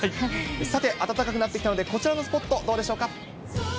さて、暖かくなってきたのでこちらのスポット、どうでしょうか。